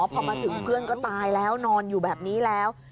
พอมาถึงเพื่อนก็ตายแล้วนอนอยู่แบบนี้แล้ว